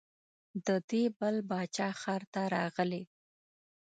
د دې بل باچا ښار ته راغلې.